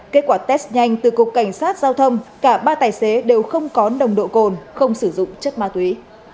kết quả test nhanh từ cục cảnh sát giao thông cả ba tài xế đều không có nồng độ cồn không sử dụng chất ma túy